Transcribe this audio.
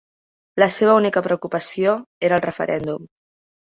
La seva única preocupació era el referèndum.